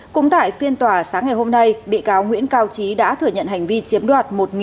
cũng tại phiên tòa sáng ngày hôm nay bị cáo nguyễn cao trí đã thừa nhận hành vi chiếm đoạt